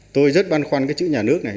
tôi rất băn khoăn cái chữ nhà nước này